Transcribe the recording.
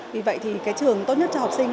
vì vậy thì cái trường tốt nhất cho học sinh